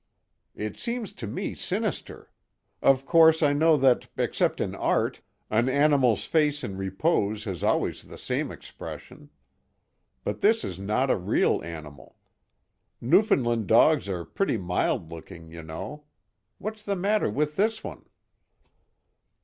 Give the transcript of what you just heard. "It seems to me sinister. Of course I know that, except in art, an animal's face in repose has always the same expression. But this is not a real animal. Newfoundland dogs are pretty mild looking, you know; what's the matter with this one?"